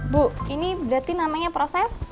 bu ini berarti namanya proses